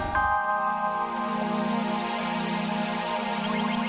masami sudah mandi ya